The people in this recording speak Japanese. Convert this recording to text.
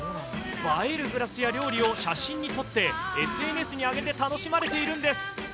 映えるグラスや料理を写真に撮って、ＳＮＳに上げて楽しまれているんです。